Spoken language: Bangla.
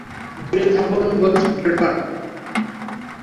দূরে থাকুন বলছি, ড্রেটন!